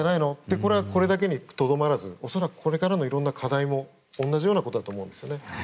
これはこれだけにとどまらず恐らくこれからのいろんな課題も同じだと思いますね。